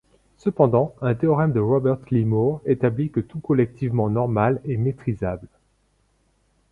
Cependant, un théorème de Robert Lee Moore établit que tout collectivement normal est métrisable.